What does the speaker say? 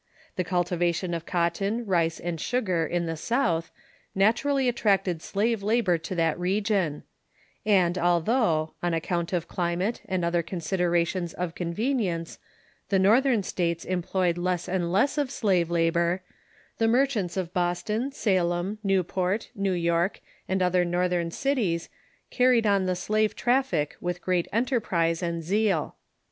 The cultivation of cotton, rice, and sugar in the South naturally attracted slave labor to that region ; and although, on account of climate and other considerations of convenience, the North ern States employed less and less of slave labor, the merchants of Boston, Salem, Newport, New York, and other Northern cities carried on the slave traffic with great enterprise and zeal.